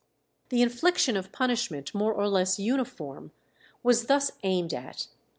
The infliction of punishment more or less uniform was thus aimed at.